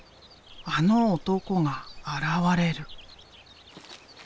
あの男が現れる。